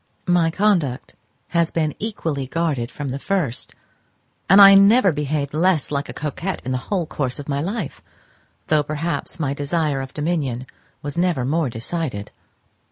My conduct has been equally guarded from the first, and I never behaved less like a coquette in the whole course of my life, though perhaps my desire of dominion was never more decided.